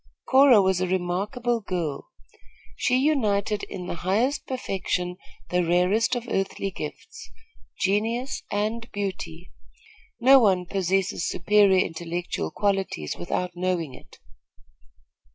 Cora was a remarkable girl. She united in the highest perfection the rarest of earthly gifts genius and beauty. No one possesses superior intellectual qualities without knowing it.